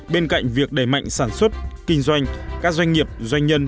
bên cạnh việc đẩy mạnh sản xuất kinh doanh các doanh nghiệp doanh nhân